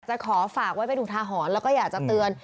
จะขอฝากไว้ไปดูทาหอนแล้วก็อยากจะเตือน